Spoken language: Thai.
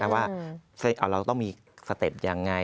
ว่าเราต้องมีสเต็ปยังไง